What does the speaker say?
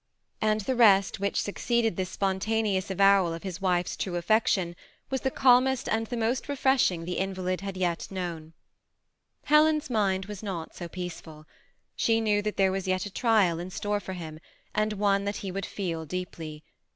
And the rest which succeeded this spontaneous avow al of his wife's true affection was the calmest and the most refreshing the invalid had yet known. Helen's mind was not so peaceful. She knew that there was yet a trial in store for him, and one that he would 830 THE BEMI ATTACHED COUPLB. feel deeply.